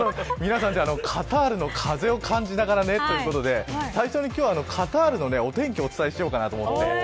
皆さんでカタールの風を感じながらということで最初にカタールのお天気をお伝えしようかなと思います。